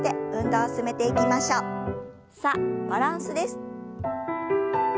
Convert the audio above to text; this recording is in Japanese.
さあバランスです。